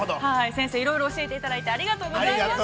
◆先生、いろいろ教えていただいて、ありがとうございました。